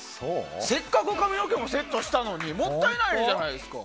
せっかく髪の毛もセットしたのにもったいないじゃないですか。